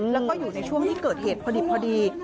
แล้วก็อยู่ในช่วงที่เกิดเหตุพอดี